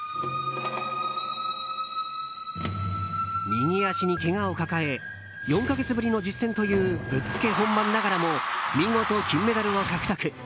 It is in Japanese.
右足にけがを抱え４か月ぶりの実戦というぶっつけ本番ながらも見事、金メダルを獲得。